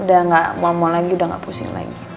udah udah nggak mau lagi udah nggak pusing lagi